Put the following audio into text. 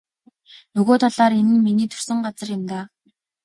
Нөгөө талаар энэ нь миний төрсөн газар юм даа.